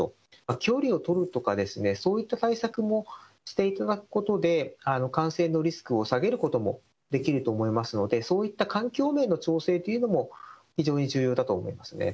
距離を取るとか、そういった対策もしていただくことで、感染のリスクを下げることもできると思いますので、そういった環境面の調整というのも非常に重要だと思いますね。